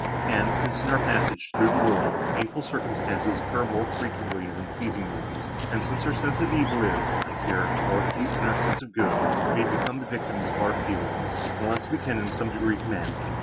And, since, in our passage through this world, painful circumstances occur more frequently than pleasing ones, and since our sense of evil is, I fear, more acute than our sense of good, we become the victims of our feelings, unless we can in some degree command them.